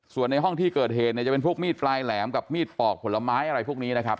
ส่วนในห้องที่เกิดเหตุเนี่ยจะเป็นพวกมีดปลายแหลมกับมีดปอกผลไม้อะไรพวกนี้นะครับ